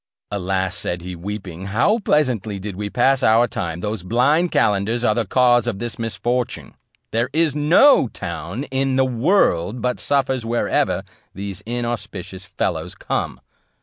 "Alas!" said he, weeping, "how pleasantly did we pass our time! those blind calenders are the cause of this misfortune; there is no town in the world but suffers wherever these inauspicious fellows come.